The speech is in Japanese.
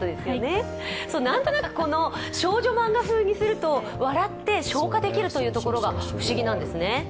なんとなく少女漫画風にすると笑って、昇華できるということが、不思議なんですよね。